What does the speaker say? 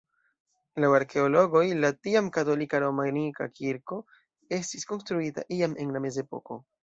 Laŭ arkeologoj la tiam katolika romanika kirko estis konstruita iam en la mezepoko.